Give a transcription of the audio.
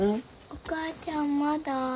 お母ちゃんまだ？